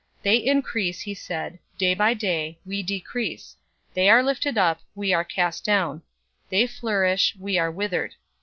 They increase, he said, day by day, we decrease ; they are lifted up, we are cast down ; they flourish, we are withered.